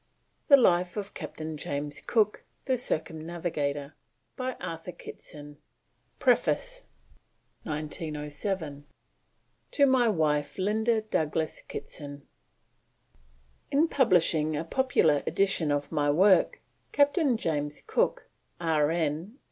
THE LIFE OF CAPTAIN JAMES COOK THE CIRCUMNAVIGATOR BY ARTHUR KITSON. WITH PORTRAIT AND MAP. 1907 TO MY WIFE LINDA DOUGLAS KITSON. PREFACE. In publishing a popular edition of my work, Captain James Cook, R.N.